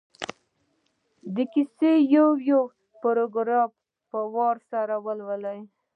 د کیسې یو یو پراګراف په وار سره ولولي.